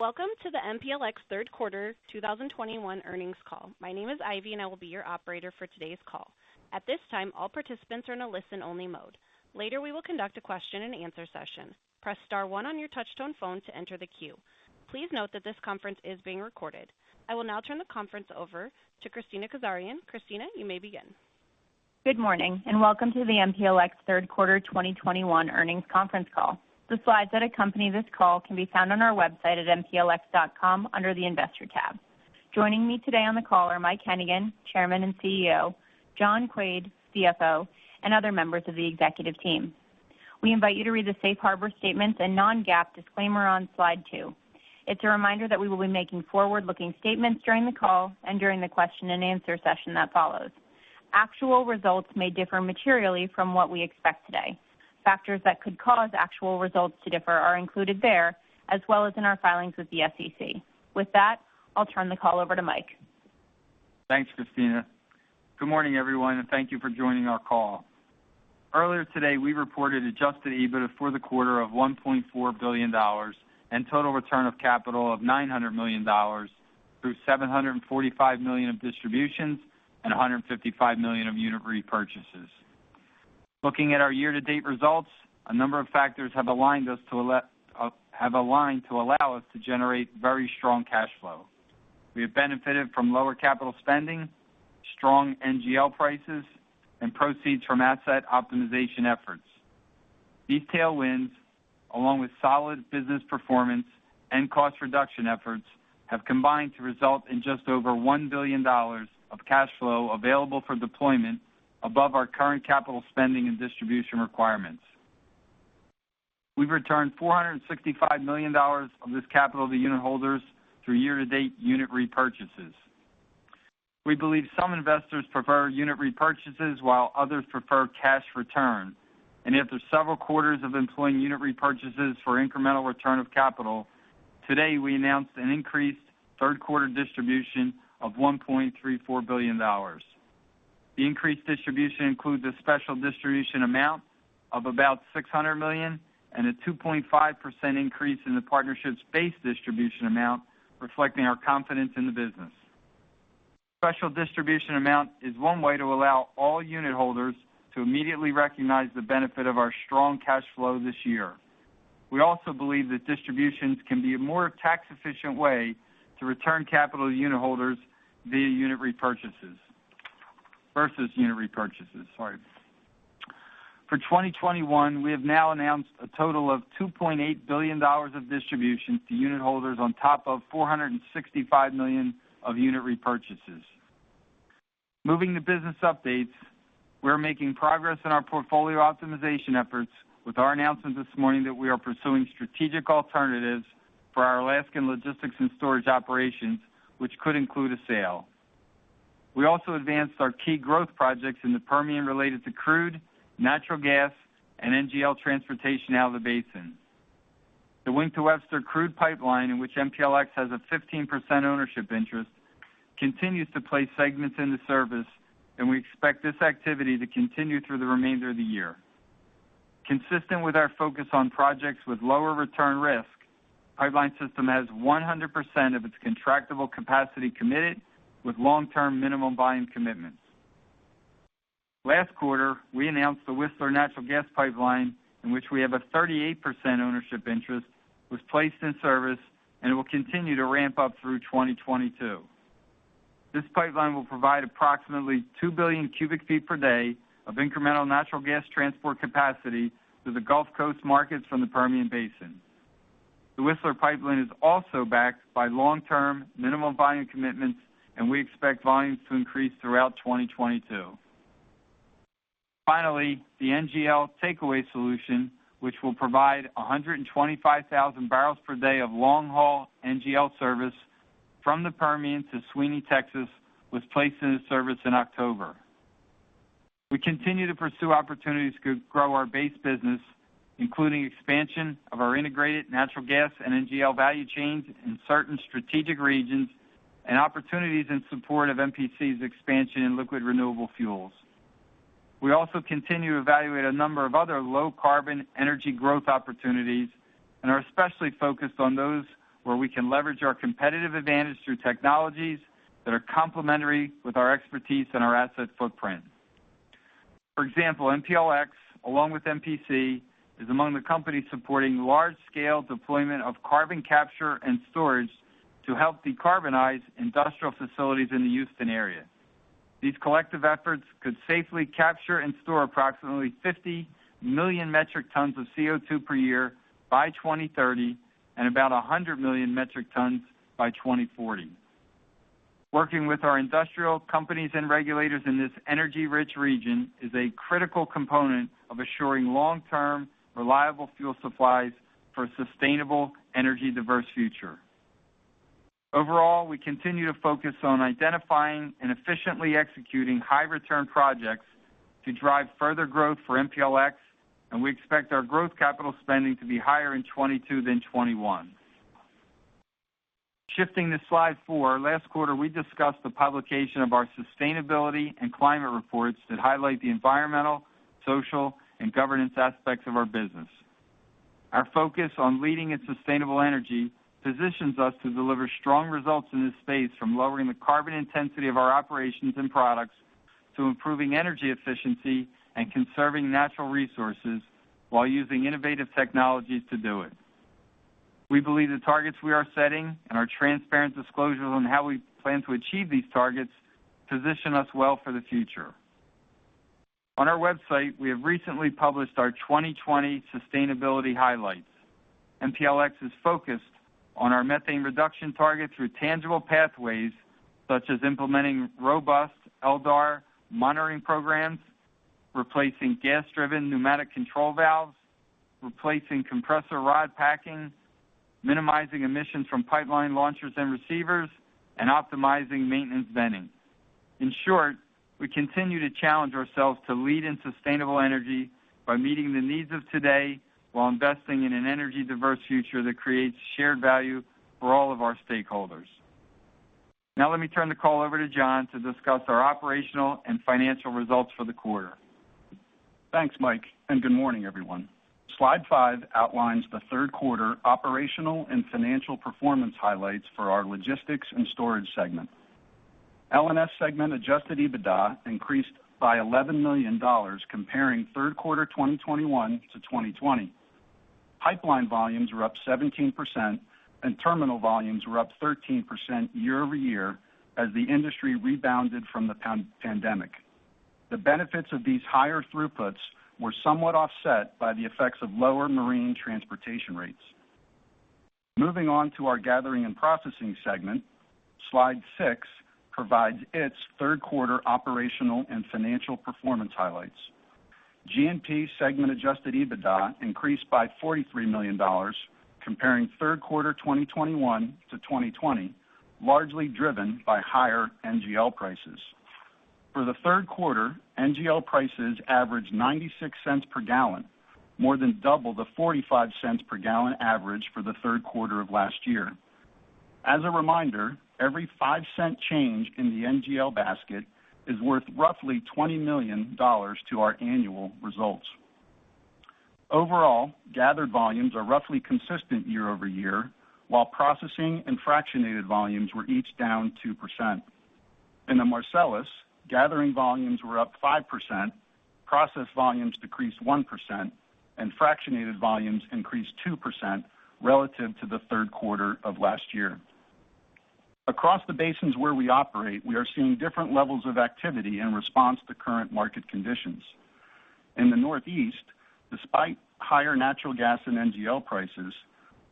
Welcome to the MPLX third quarter 2021 earnings call. My name is Ivy, and I will be your operator for today's call. At this time, all participants are in a listen-only mode. Later, we will conduct a question-and-answer session. Press star one on your touchtone phone to enter the queue. Please note that this conference is being recorded. I will now turn the conference over to Kristina Kazarian. Kristina, you may begin. Good morning, and welcome to the MPLX third quarter 2021 earnings conference call. The slides that accompany this call can be found on our website at mplx.com under the Investor tab. Joining me today on the call are Mike Hennigan, Chairman and CEO, John Quaid, CFO, and other members of the executive team. We invite you to read the safe harbor statements and non-GAAP disclaimer on slide two. It's a reminder that we will be making forward-looking statements during the call and during the question-and-answer session that follows. Actual results may differ materially from what we expect today. Factors that could cause actual results to differ are included there, as well as in our filings with the SEC. With that, I'll turn the call over to Mike. Thanks, Kristina. Good morning, everyone, and thank you for joining our call. Earlier today, we reported adjusted EBITDA for the quarter of $1.4 billion and total return of capital of $900 million through $745 million of distributions and $155 million of unit repurchases. Looking at our year-to-date results, a number of factors have aligned to allow us to generate very strong cash flow. We have benefited from lower capital spending, strong NGL prices, and proceeds from asset optimization efforts. These tailwinds, along with solid business performance and cost reduction efforts, have combined to result in just over $1 billion of cash flow available for deployment above our current capital spending and distribution requirements. We've returned $465 million of this capital to unitholders through year-to-date unit repurchases. We believe some investors prefer unit repurchases while others prefer cash return. After several quarters of employing unit repurchases for incremental return of capital, today we announced an increased third quarter distribution of $1.34 billion. The increased distribution includes a special distribution amount of about $600 million and a 2.5% increase in the partnership's base distribution amount, reflecting our confidence in the business. Special distribution amount is one way to allow all unit holders to immediately recognize the benefit of our strong cash flow this year. We also believe that distributions can be a more tax-efficient way to return capital to unit holders versus unit repurchases, sorry. For 2021, we have now announced a total of $2.8 billion of distribution to unit holders on top of $465 million of unit repurchases. Moving to business updates, we're making progress in our portfolio optimization efforts with our announcement this morning that we are pursuing strategic alternatives for our Alaskan logistics and storage operations, which could include a sale. We also advanced our key growth projects in the Permian related to crude, natural gas, and NGL transportation out of the basin. The Wink to Webster Pipeline, in which MPLX has a 15% ownership interest, continues to place segments into service, and we expect this activity to continue through the remainder of the year. Consistent with our focus on projects with lower return risk, the pipeline system has 100% of its contractible capacity committed with long-term minimum volume commitments. Last quarter, we announced that the Whistler Pipeline, in which we have a 38% ownership interest, was placed in service and it will continue to ramp up through 2022. This pipeline will provide approximately two billion cubic feet per day of incremental natural gas transport capacity to the Gulf Coast markets from the Permian Basin. The Whistler Pipeline is also backed by long-term minimum volume commitments, and we expect volumes to increase throughout 2022. Finally, the NGL Takeaway Solution, which will provide 125,000 barrels per day of long-haul NGL service from the Permian to Sweeny, Texas, was placed into service in October. We continue to pursue opportunities to grow our base business, including expansion of our integrated natural gas and NGL value chains in certain strategic regions and opportunities in support of MPC's expansion in liquid renewable fuels. We also continue to evaluate a number of other low-carbon energy growth opportunities and are especially focused on those where we can leverage our competitive advantage through technologies that are complementary with our expertise and our asset footprint. For example, MPLX, along with MPC, is among the companies supporting large-scale deployment of carbon capture and storage to help decarbonize industrial facilities in the Houston area. These collective efforts could safely capture and store approximately 50 million metric tons of CO2 per year by 2030 and about 100 million metric tons by 2040. Working with our industrial companies and regulators in this energy-rich region is a critical component of assuring long-term, reliable fuel supplies for a sustainable, energy-diverse future. Overall, we continue to focus on identifying and efficiently executing high-return projects to drive further growth for MPLX, and we expect our growth capital spending to be higher in 2022 than 2021. Shifting to slide four. Last quarter, we discussed the publication of our Sustainability and Climate Reports that highlight the environmental, social, and governance aspects of our business. Our focus on leading in sustainable energy positions us to deliver strong results in this space from lowering the carbon intensity of our operations and products to improving energy efficiency and conserving natural resources while using innovative technologies to do it. We believe the targets we are setting and our transparent disclosures on how we plan to achieve these targets position us well for the future. On our website, we have recently published our 2020 Sustainability Highlights. MPLX is focused on our methane reduction target through tangible pathways such as implementing robust LDAR monitoring programs, replacing gas-driven pneumatic control valves, replacing compressor rod packing, minimizing emissions from pipeline launchers and receivers, and optimizing maintenance venting. In short, we continue to challenge ourselves to lead in sustainable energy by meeting the needs of today while investing in an energy diverse future that creates shared value for all of our stakeholders. Now let me turn the call over to John to discuss our operational and financial results for the quarter. Thanks, Mike, and good morning everyone. Slide five outlines the third quarter operational and financial performance highlights for our logistics and storage segment. L&S segment adjusted EBITDA increased by $11 million comparing third quarter 2021 to 2020. Pipeline volumes were up 17% and terminal volumes were up 13% year-over-year as the industry rebounded from the pandemic. The benefits of these higher throughputs were somewhat offset by the effects of lower marine transportation rates. Moving on to our gathering and processing segment. Slide six provides its third quarter operational and financial performance highlights. G&P segment adjusted EBITDA increased by $43 million comparing third quarter 2021 to 2020, largely driven by higher NGL prices. For the third quarter, NGL prices averaged $0.96 per gallon, more than double the $0.45 per gallon average for the third quarter of last year. As a reminder, every five-cent change in the NGL basket is worth roughly $20 million to our annual results. Overall, gathered volumes are roughly consistent year-over-year, while processing and fractionated volumes were each down 2%. In the Marcellus, gathering volumes were up 5%, processing volumes decreased 1%, and fractionated volumes increased 2% relative to the third quarter of last year. Across the basins where we operate, we are seeing different levels of activity in response to current market conditions. In the Northeast, despite higher natural gas and NGL prices,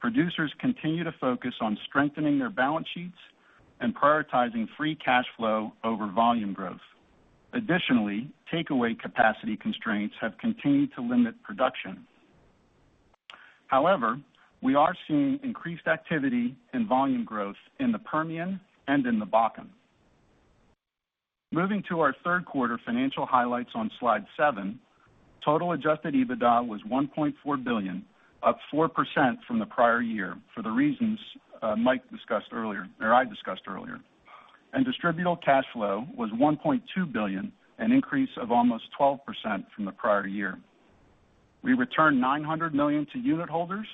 producers continue to focus on strengthening their balance sheets and prioritizing free cash flow over volume growth. Additionally, takeaway capacity constraints have continued to limit production. However, we are seeing increased activity and volume growth in the Permian and in the Bakken. Moving to our third quarter financial highlights on slide seven. Total adjusted EBITDA was $1.4 billion, up 4% from the prior year for the reasons Mike discussed earlier or I discussed earlier. Distributable cash flow was $1.2 billion, an increase of almost 12% from the prior year. We returned $900 million to unit holders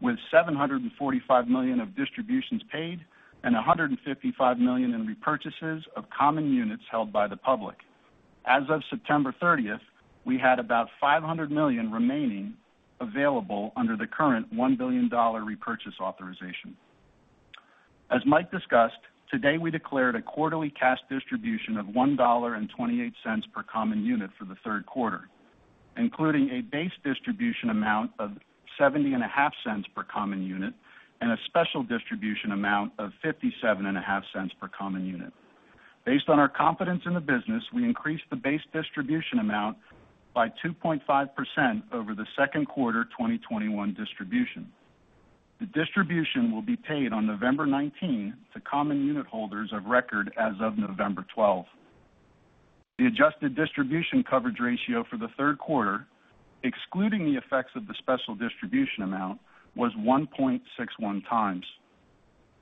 with $745 million of distributions paid and $155 million in repurchases of common units held by the public. As of September 30, we had about $500 million remaining available under the current $1 billion repurchase authorization. As Mike discussed, today we declared a quarterly cash distribution of $1.28 per common unit for the third quarter, including a base distribution amount of 70.5 cents per common unit and a special distribution amount of 57.5 cents per common unit. Based on our confidence in the business, we increased the base distribution amount by 2.5% over the second quarter 2021 distribution. The distribution will be paid on November 19 to common unit holders of record as of November 12. The adjusted distribution coverage ratio for the third quarter, excluding the effects of the special distribution amount, was 1.61 times.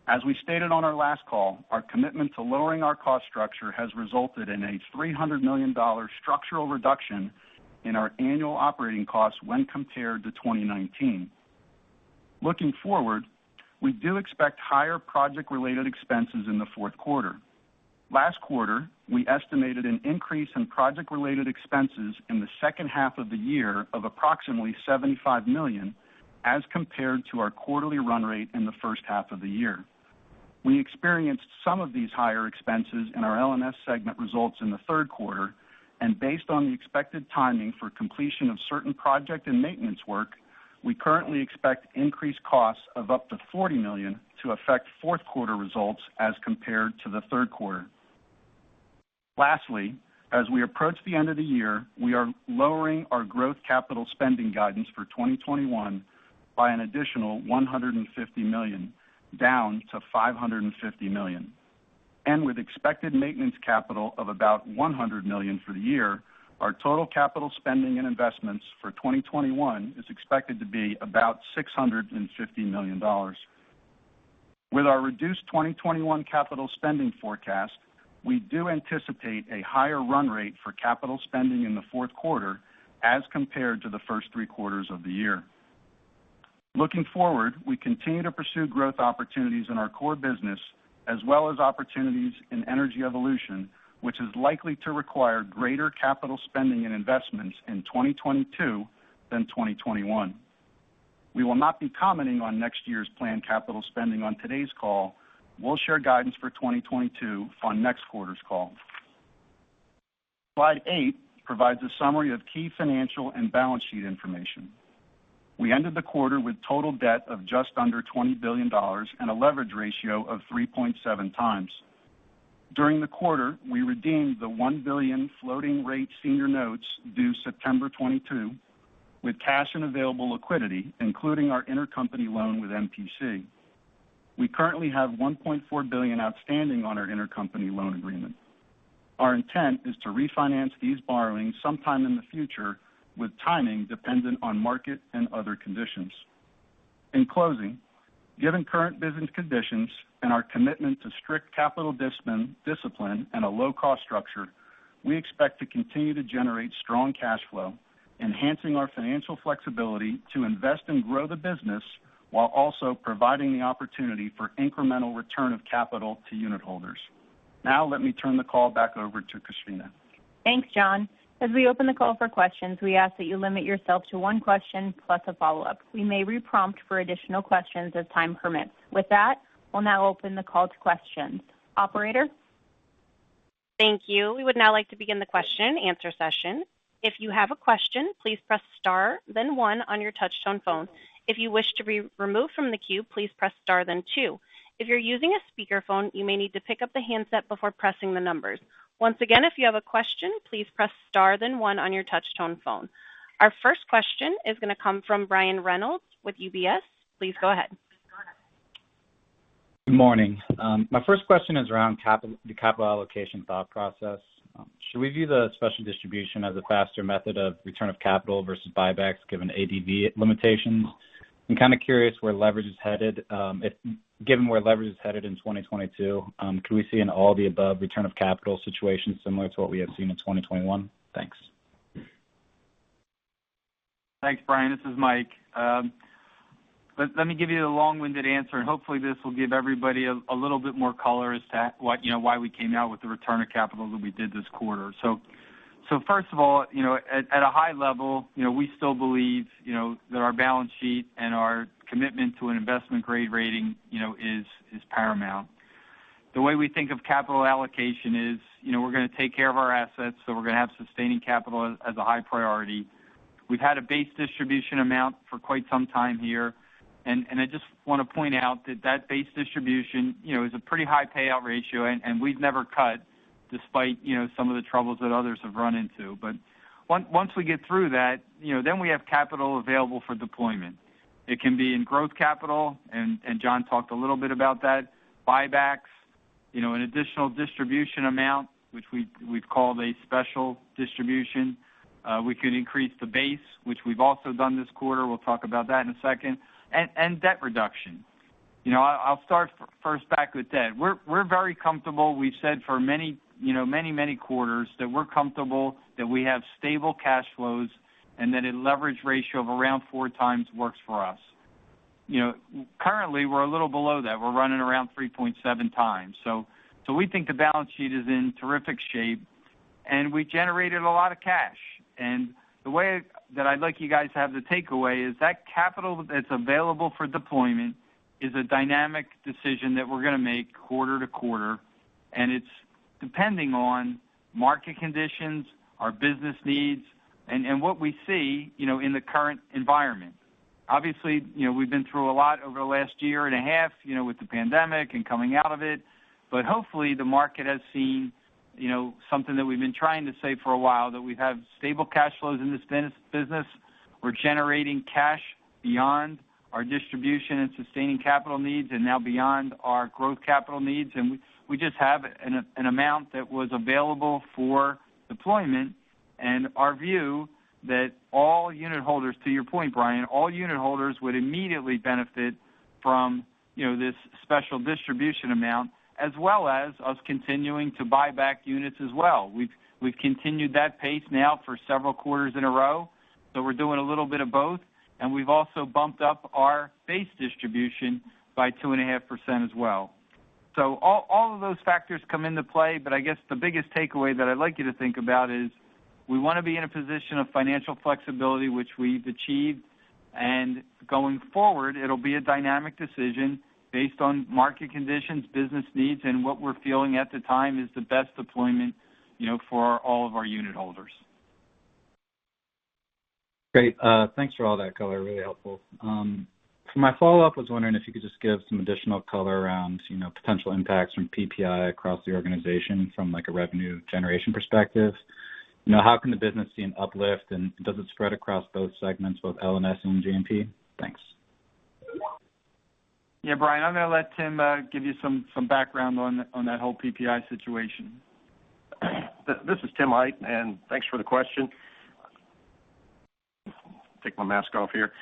As we stated on our last call, our commitment to lowering our cost structure has resulted in a $300 million structural reduction in our annual operating costs when compared to 2019. Looking forward, we do expect higher project-related expenses in the fourth quarter. Last quarter, we estimated an increase in project-related expenses in the second half of the year of approximately $75 million as compared to our quarterly run rate in the first half of the year. We experienced some of these higher expenses in our L&S segment results in the third quarter, and based on the expected timing for completion of certain project and maintenance work, we currently expect increased costs of up to $40 million to affect fourth quarter results as compared to the third quarter. Lastly, as we approach the end of the year, we are lowering our growth capital spending guidance for 2021 by an additional $150 million, down to $550 million. With expected maintenance capital of about $100 million for the year, our total capital spending and investments for 2021 is expected to be about $650 million. With our reduced 2021 capital spending forecast, we do anticipate a higher run rate for capital spending in the fourth quarter as compared to the first three quarters of the year. Looking forward, we continue to pursue growth opportunities in our core business as well as opportunities in Energy Evolution, which is likely to require greater capital spending and investments in 2022 than 2021. We will not be commenting on next year's planned capital spending on today's call. We'll share guidance for 2022 on next quarter's call. Slide 8 provides a summary of key financial and balance sheet information. We ended the quarter with total debt of just under $20 billion and a leverage ratio of 3.7x. During the quarter, we redeemed the $1 billion floating rate senior notes due September 2022 with cash and available liquidity, including our intercompany loan with MPC. We currently have $1.4 billion outstanding on our intercompany loan agreement. Our intent is to refinance these borrowings sometime in the future with timing dependent on market and other conditions. In closing, given current business conditions and our commitment to strict capital discipline and a low-cost structure, we expect to continue to generate strong cash flow, enhancing our financial flexibility to invest and grow the business while also providing the opportunity for incremental return of capital to unitholders. Now let me turn the call back over to Kristina. Thanks, John. As we open the call for questions, we ask that you limit yourself to one question plus a follow-up. We may re-prompt for additional questions as time permits. With that, we'll now open the call to questions. Operator? Thank you. We would now like to begin the question and answer session. If you have a question, please press star then one on your touch-tone phone. If you wish to be removed from the queue, please press star then two. If you're using a speakerphone, you may need to pick up the handset before pressing the numbers. Once again, if you have a question, please press star then one on your touch-tone phone. Our first question is gonna come from Brian Reynolds with UBS. Please go ahead. Good morning. My first question is around the capital allocation thought process. Should we view the special distribution as a faster method of return of capital versus buybacks given ADV limitations? I'm kind of curious where leverage is headed, given where leverage is headed in 2022, can we see an all-of-the-above return of capital situation similar to what we have seen in 2021? Thanks. Thanks, Brian. This is Mike. Let me give you the long-winded answer, and hopefully this will give everybody a little bit more color as to what, you know, why we came out with the return of capital that we did this quarter. First of all, you know, at a high level, you know, we still believe, you know, that our balance sheet and our commitment to an investment-grade rating, you know, is paramount. The way we think of capital allocation is, you know, we're gonna take care of our assets, so we're gonna have sustaining capital as a high priority. We've had a base distribution amount for quite some time here, and I just wanna point out that base distribution, you know, is a pretty high payout ratio and we've never cut despite, you know, some of the troubles that others have run into. Once we get through that, you know, then we have capital available for deployment. It can be in growth capital, and John talked a little bit about that, buybacks, you know, an additional distribution amount, which we'd call a special distribution. We could increase the base, which we've also done this quarter. We'll talk about that in a second and debt reduction. You know, I'll start first back with debt. We're very comfortable. We've said for many, you know, many, many quarters that we're comfortable that we have stable cash flows and that a leverage ratio of around four times works for us. You know, currently we're a little below that. We're running around 3.7 times. So we think the balance sheet is in terrific shape, and we generated a lot of cash. The way that I'd like you guys to have the takeaway is that capital that's available for deployment is a dynamic decision that we're gonna make quarter to quarter, and it's depending on market conditions, our business needs, and what we see, you know, in the current environment. Obviously, you know, we've been through a lot over the last year and a half, you know, with the pandemic and coming out of it. Hopefully, the market has seen, you know, something that we've been trying to say for a while, that we have stable cash flows in this business. We're generating cash beyond our distribution and sustaining capital needs and now beyond our growth capital needs. We just have an amount that was available for deployment. Our view that all unitholders, to your point, Brian, all unitholders would immediately benefit from, you know, this special distribution amount as well as us continuing to buy back units as well. We've continued that pace now for several quarters in a row, so we're doing a little bit of both. We've also bumped up our base distribution by 2.5% as well. All of those factors come into play, but I guess the biggest takeaway that I'd like you to think about is we wanna be in a position of financial flexibility which we've achieved. Going forward, it'll be a dynamic decision based on market conditions, business needs, and what we're feeling at the time is the best deployment, you know, for all of our unitholders. Great. Thanks for all that color. Really helpful. For my follow-up, I was wondering if you could just give some additional color around, you know, potential impacts from PPI across the organization from, like, a revenue generation perspective. You know, how can the business see an uplift, and does it spread across both segments, both L&S and G&P? Thanks. Yeah, Brian, I'm gonna let Tim give you some background on that whole PPI situation. This is Tim Aydt. Thanks for the question. Take my mask off here.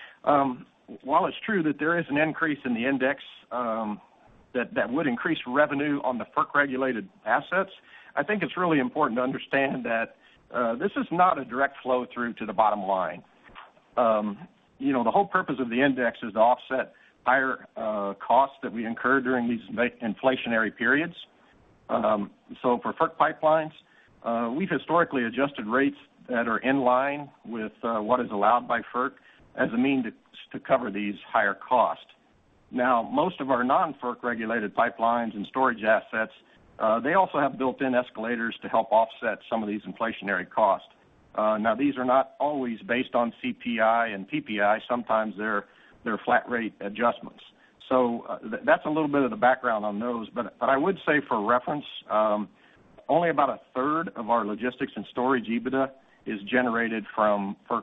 While it's true that there is an increase in the index, that would increase revenue on the FERC-regulated assets. I think it's really important to understand that this is not a direct flow through to the bottom line. You know, the whole purpose of the index is to offset higher costs that we incur during these inflationary periods. For FERC pipelines, we've historically adjusted rates that are in line with what is allowed by FERC as a means to cover these higher costs. Now, most of our non-FERC regulated pipelines and storage assets, they also have built-in escalators to help offset some of these inflationary costs. Now these are not always based on CPI and PPI. Sometimes they're flat rate adjustments. That's a little bit of the background on those. I would say for reference, only about a third of our Logistics and Storage EBITDA is generated from FERC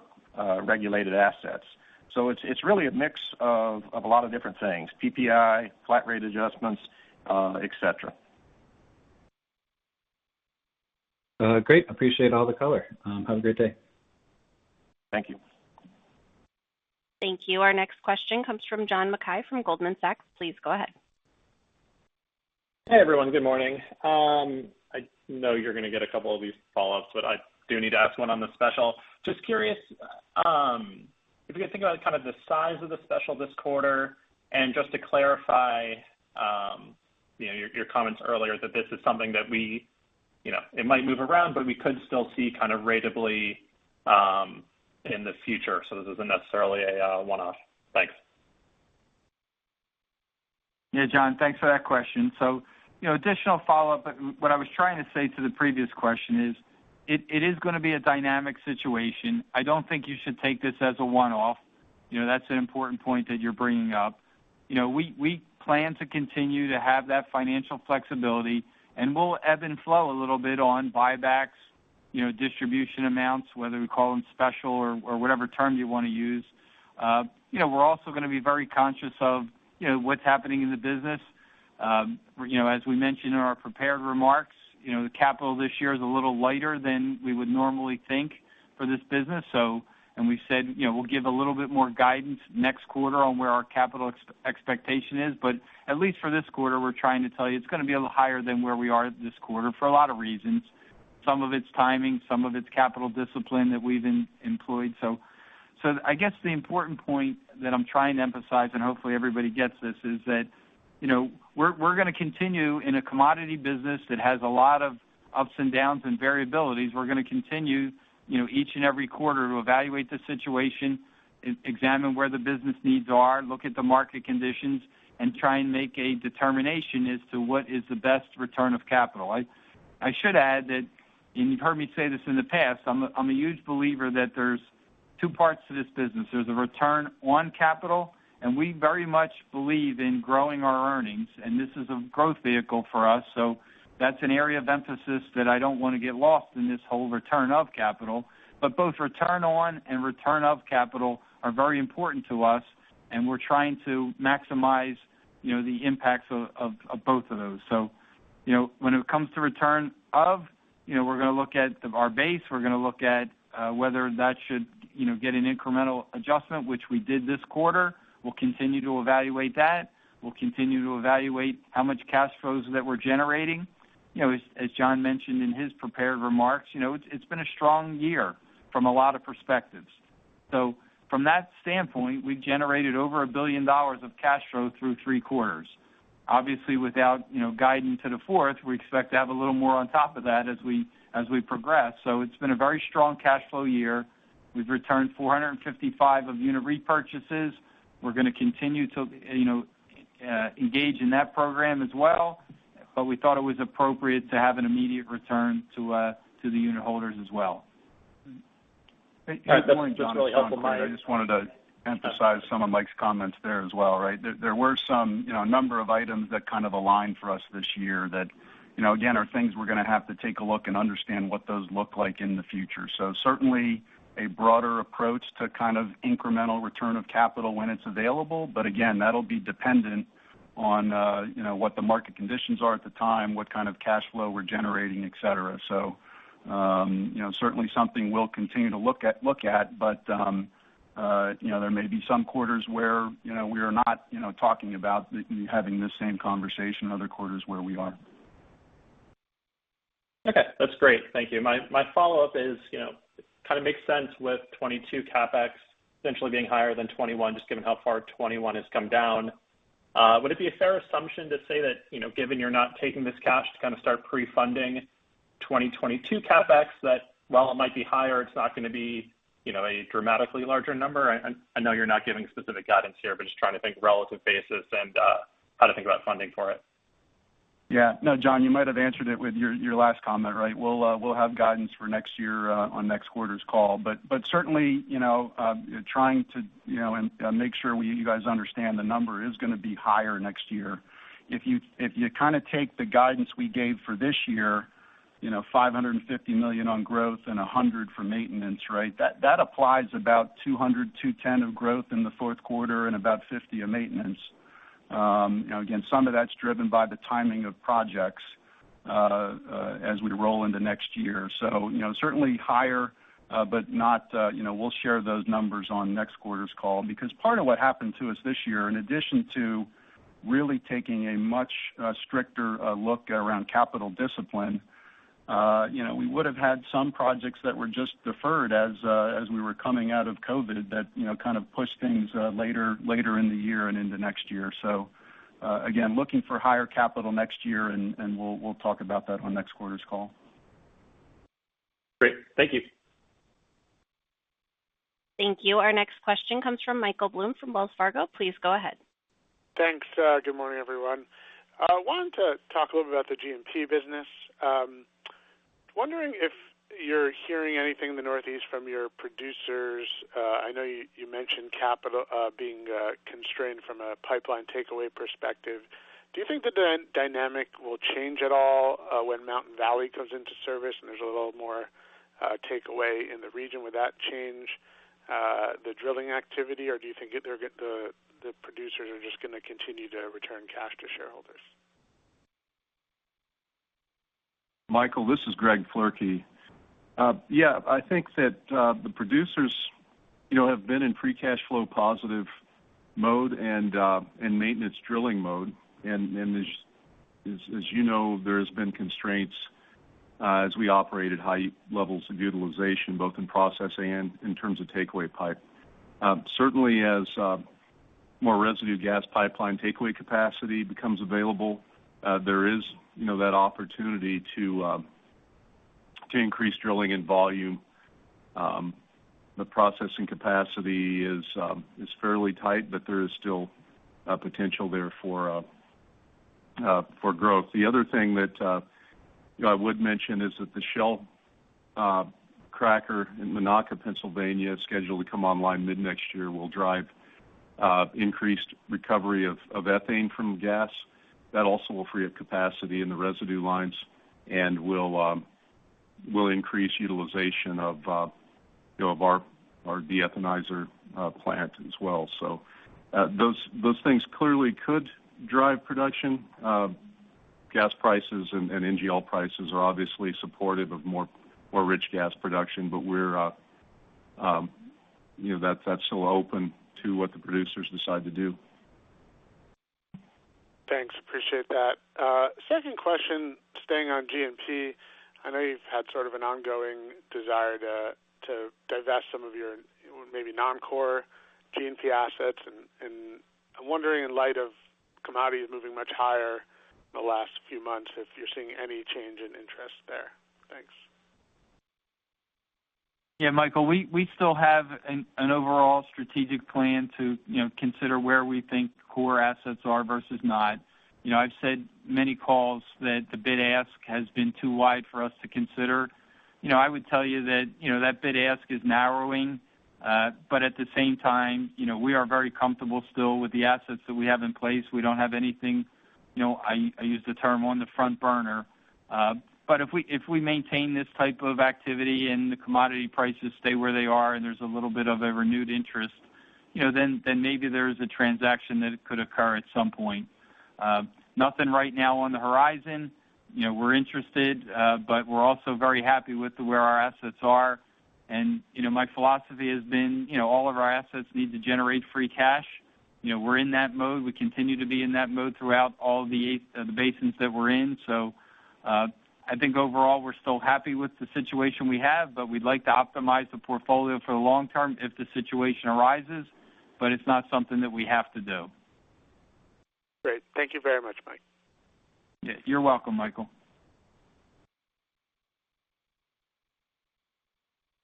regulated assets. It's really a mix of a lot of different things, PPI, flat rate adjustments, et cetera. Great. Appreciate all the color. Have a great day. Thank you. Thank you. Our next question comes from John Mackay from Goldman Sachs. Please go ahead. Hey, everyone. Good morning. I know you're gonna get a couple of these follow-ups, but I do need to ask one on the special. Just curious, if you could think about kind of the size of the special this quarter, and just to clarify, you know, your comments earlier that this is something that we, you know, it might move around, but we could still see kind of ratably in the future. This isn't necessarily a one-off. Thanks. Yeah, John, thanks for that question. You know, additional follow-up, but what I was trying to say to the previous question is it gonna be a dynamic situation. I don't think you should take this as a one-off. You know, that's an important point that you're bringing up. You know, we plan to continue to have that financial flexibility, and we'll ebb and flow a little bit on buybacks, you know, distribution amounts, whether we call them special or whatever term you wanna use. You know, we're also gonna be very conscious of what's happening in the business. You know, as we mentioned in our prepared remarks, you know, the capital this year is a little lighter than we would normally think for this business. We said, you know, we'll give a little bit more guidance next quarter on where our capital expectation is. But at least for this quarter, we're trying to tell you it's gonna be a little higher than where we are this quarter for a lot of reasons. Some of it's timing, some of it's capital discipline that we've employed. I guess the important point that I'm trying to emphasize, and hopefully everybody gets this, is that, you know, we're gonna continue in a commodity business that has a lot of ups and downs and variabilities. We're gonna continue, you know, each and every quarter to evaluate the situation, examine where the business needs are, look at the market conditions, and try and make a determination as to what is the best return of capital. I should add that you've heard me say this in the past. I'm a huge believer that there's two parts to this business. There's a return on capital, and we very much believe in growing our earnings, and this is a growth vehicle for us. That's an area of emphasis that I don't wanna get lost in this whole return of capital. Both return on and return of capital are very important to us, and we're trying to maximize, you know, the impacts of both of those. You know, when it comes to return of, you know, we're gonna look at our base. We're gonna look at whether that should, you know, get an incremental adjustment, which we did this quarter. We'll continue to evaluate that. We'll continue to evaluate how much cash flows that we're generating. You know, as John mentioned in his prepared remarks, you know, it's been a strong year from a lot of perspectives. From that standpoint, we've generated over $1 billion of cash flow through three quarters. Obviously, without you know guiding to the fourth, we expect to have a little more on top of that as we progress. It's been a very strong cash flow year. We've returned $455 million in unit repurchases. We're gonna continue to you know engage in that program as well, but we thought it was appropriate to have an immediate return to the unitholders as well. Hey, good morning, John. That's really helpful, Mike. I just wanted to emphasize some of Mike's comments there as well, right? There were some, you know, a number of items that kind of aligned for us this year that, you know, again, are things we're gonna have to take a look and understand what those look like in the future. Certainly a broader approach to kind of incremental return of capital when it's available. Again, that'll be dependent on, you know, what the market conditions are at the time, what kind of cash flow we're generating, et cetera. Certainly something we'll continue to look at. You know, there may be some quarters where, you know, we are not, you know, talking about having the same conversation, other quarters where we are. Okay, that's great. Thank you. My follow-up is, you know, kind of makes sense with 2022 CapEx essentially being higher than 2021, just given how far 2021 has come down. Would it be a fair assumption to say that, you know, given you're not taking this cash to kind of start pre-funding 2022 CapEx, that while it might be higher, it's not gonna be, you know, a dramatically larger number? I know you're not giving specific guidance here, but just trying to think relative basis and how to think about funding for it. Yeah. No, John, you might have answered it with your last comment, right? We'll have guidance for next year on next quarter's call. Certainly, you know, trying to make sure you guys understand the number is gonna be higher next year. If you kind of take the guidance we gave for this year. You know, $550 million on growth and $100 for maintenance, right? That applies about $200, $210 of growth in the fourth quarter and about $50 of maintenance. You know, again, some of that's driven by the timing of projects as we roll into next year. You know, certainly higher, but not. You know, we'll share those numbers on next quarter's call because part of what happened to us this year, in addition to really taking a much stricter look around capital discipline, you know, we would have had some projects that were just deferred as we were coming out of COVID that, you know, kind of pushed things later in the year and into next year. Again, looking for higher capital next year, and we'll talk about that on next quarter's call. Great. Thank you. Thank you. Our next question comes from Michael Blum from Wells Fargo. Please go ahead. Thanks. Good morning, everyone. I wanted to talk a little about the G&P business. Wondering if you're hearing anything in the Northeast from your producers. I know you mentioned capital being constrained from a pipeline takeaway perspective. Do you think the dynamic will change at all when Mountain Valley comes into service, and there's a little more takeaway in the region? Would that change the drilling activity, or do you think the producers are just gonna continue to return cash to shareholders? Michael, this is Greg Floerke. I think that the producers, you know, have been in free cash flow positive mode and maintenance drilling mode. As you know, there has been constraints as we operate at high levels of utilization, both in processing and in terms of takeaway pipe. Certainly as more residue gas pipeline takeaway capacity becomes available, there is, you know, that opportunity to increase drilling and volume. The processing capacity is fairly tight, but there is still potential there for growth. The other thing that you know, I would mention is that the Shell cracker in Monaca, Pennsylvania, scheduled to come online mid-next year, will drive increased recovery of ethane from gas. That also will free up capacity in the residue lines and will increase utilization of, you know, of our deethanizer plant as well. Those things clearly could drive production. Gas prices and NGL prices are obviously supportive of more rich gas production, but, you know, that's still open to what the producers decide to do. Thanks. Appreciate that. Second question, staying on G&P. I know you've had sort of an ongoing desire to divest some of your maybe non-core G&P assets. I'm wondering, in light of commodities moving much higher the last few months, if you're seeing any change in interest there. Thanks. Yeah, Michael, we still have an overall strategic plan to, you know, consider where we think core assets are versus not. You know, I've said many calls that the bid-ask has been too wide for us to consider. You know, I would tell you that, you know, that bid-ask is narrowing. At the same time, you know, we are very comfortable still with the assets that we have in place. We don't have anything, you know, I use the term on the front burner. If we maintain this type of activity and the commodity prices stay where they are and there's a little bit of a renewed interest, you know, then maybe there is a transaction that could occur at some point. Nothing right now on the horizon. You know, we're interested, but we're also very happy with where our assets are. You know, my philosophy has been, you know, all of our assets need to generate free cash. You know, we're in that mode. We continue to be in that mode throughout all the basins that we're in. I think overall, we're still happy with the situation we have, but we'd like to optimize the portfolio for the long term if the situation arises, but it's not something that we have to do. Great. Thank you very much, Mike. You're welcome, Michael.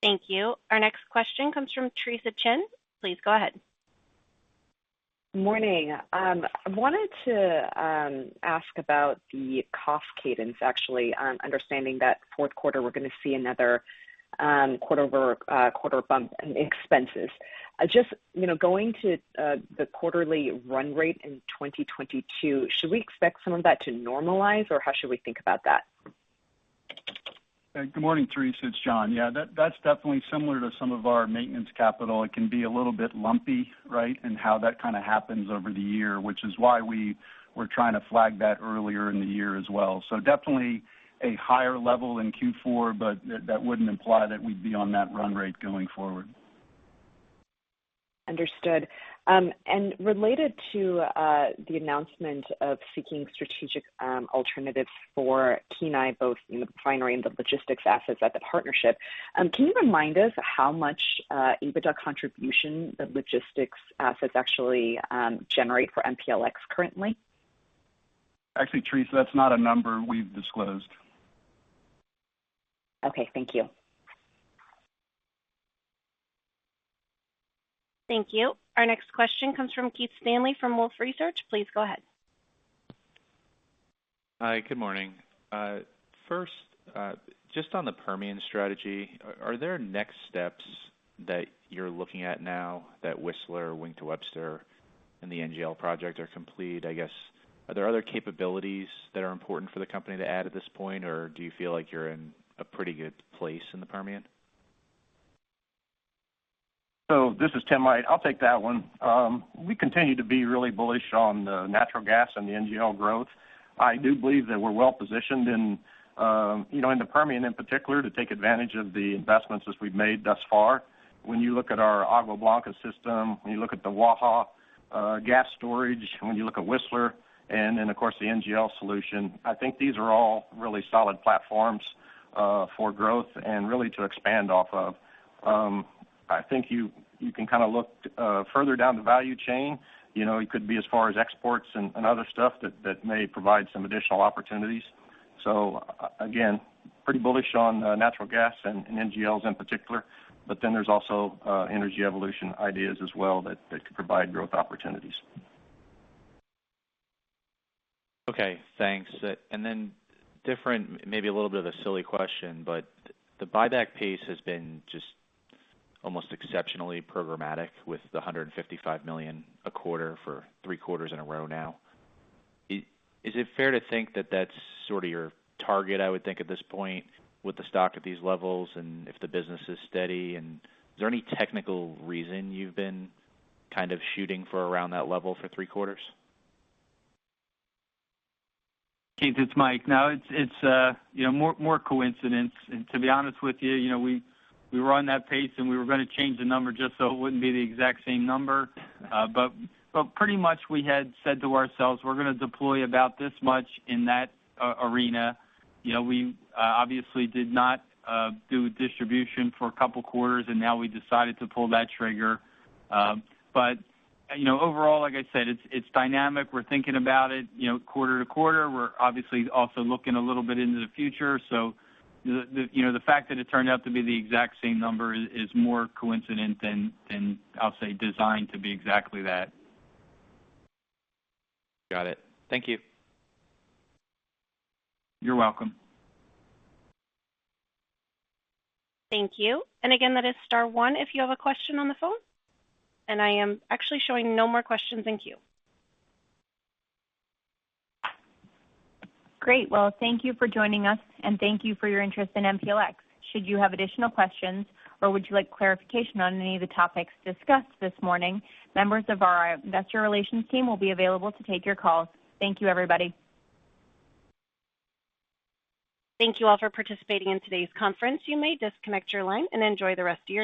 Thank you. Our next question comes from Theresa Chen. Please go ahead. Morning. I wanted to ask about the cost cadence, actually, understanding that fourth quarter, we're gonna see another quarter-over-quarter bump in expenses. Just, you know, going to the quarterly run rate in 2022, should we expect some of that to normalize, or how should we think about that? Good morning, Theresa, it's John. Yeah, that's definitely similar to some of our maintenance capital. It can be a little bit lumpy, right? In how that kind of happens over the year, which is why we were trying to flag that earlier in the year as well. Definitely a higher level in Q4, but that wouldn't imply that we'd be on that run rate going forward. Understood. Related to the announcement of seeking strategic alternatives for Kenai, both in the refinery and the logistics assets at the partnership, can you remind us how much EBITDA contribution the logistics assets actually generate for MPLX currently? Actually, Theresa, that's not a number we've disclosed. Okay, thank you. Thank you. Our next question comes from Keith Stanley from Wolfe Research. Please go ahead. Hi, good morning. First, just on the Permian strategy, are there next steps that you're looking at now that Whistler, Wink to Webster, and the NGL project are complete. I guess, are there other capabilities that are important for the company to add at this point? Or do you feel like you're in a pretty good place in the Permian? This is Tim Aydt. I'll take that one. We continue to be really bullish on the natural gas and the NGL growth. I do believe that we're well-positioned in, you know, in the Permian in particular, to take advantage of the investments as we've made thus far. When you look at our Agua Blanca system, when you look at the Waha gas storage, when you look at Whistler and of course, the NGL solution, I think these are all really solid platforms for growth and really to expand off of. I think you can kind of look further down the value chain. You know, it could be as far as exports and other stuff that may provide some additional opportunities. Again, pretty bullish on natural gas and NGLs in particular. There's also Energy Evolution ideas as well that could provide growth opportunities. Okay, thanks. Different, maybe a little bit of a silly question, but the buyback pace has been just almost exceptionally programmatic with the $155 million a quarter for three quarters in a row now. Is it fair to think that that's sort of your target, I would think, at this point, with the stock at these levels and if the business is steady? Is there any technical reason you've been kind of shooting for around that level for three quarters? Keith, it's Mike. No, it's you know, more coincidence. To be honest with you know, we were on that pace, and we were gonna change the number just so it wouldn't be the exact same number. Pretty much we had said to ourselves, "We're gonna deploy about this much in that arena." You know, we obviously did not do distribution for a couple quarters, and now we decided to pull that trigger. You know, overall, like I said, it's dynamic. We're thinking about it, you know, quarter to quarter. We're obviously also looking a little bit into the future. The fact that it turned out to be the exact same number is more coincidence than I'll say, designed to be exactly that. Got it. Thank you. You're welcome. Thank you. again, that is star one if you have a question on the phone. I am actually showing no more questions in queue. Great. Well, thank you for joining us, and thank you for your interest in MPLX. Should you have additional questions or would you like clarification on any of the topics discussed this morning, members of our investor relations team will be available to take your calls. Thank you, everybody. Thank you all for participating in today's conference. You may disconnect your line and enjoy the rest of your day.